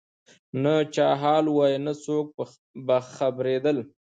نه چا حال وایه نه څوک په خبرېدله